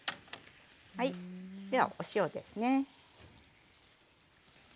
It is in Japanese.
ではお塩ですね。